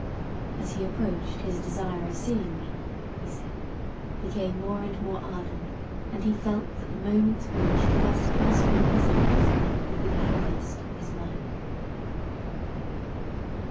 "As he approached his desire of seeing me," he said, "became more and more ardent, and he felt that the moment when he should first clasp me in his arms would be the happiest of his life."